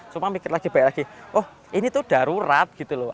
cuma mikir lagi banyak lagi oh ini tuh darurat gitu loh